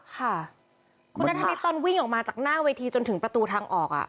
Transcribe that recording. ค่ะคุณนัทธนิษฐ์ตอนวิ่งออกมาจากหน้าเวทีจนถึงประตูทางออก